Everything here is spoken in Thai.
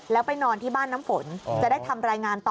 แล้วไปนอนที่บ้านน้ำฝนจะได้ทำรายงานต่อ